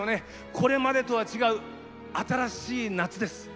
これまでとは違う新しい夏です。